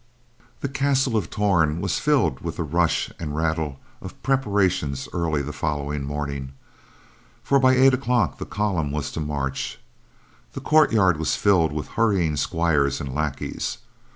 The castle of Torn was filled with the rush and rattle of preparation early the following morning, for by eight o'clock the column was to march. The courtyard was filled with hurrying squires and lackeys.